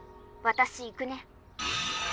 私行くね。